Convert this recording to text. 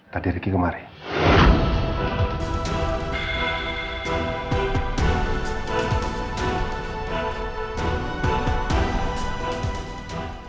tadi ricky kemarin